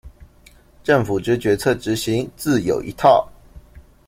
政府之決策執行自有一套